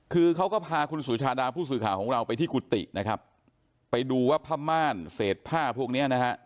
คือเขาก็พาคุณสุชาดาผู้สื่อข่าวของเราไปที่กุฏินะครับไปดูว่าผ้าม่านเศษผ้าพวกเนี้ยนะฮะ